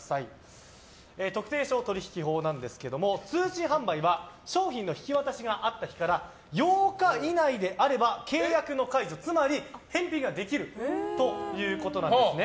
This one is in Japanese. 特定商取引法なんですが通信販売は商品の引き渡しがあった日から８日以内であれば契約の解除つまり返品ができるということです。